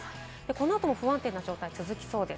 この後も不安定な状態が続きそうです。